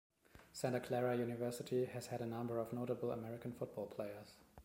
Santa Clara University has had a number of notable American football players.